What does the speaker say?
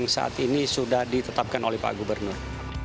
yang saat ini sudah ditetapkan oleh pak gubernur